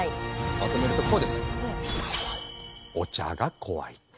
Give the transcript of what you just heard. まとめるとこうです。